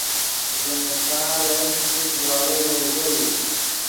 زمستان ریشک ایست واڑو یوگو ایست